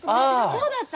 そうだった！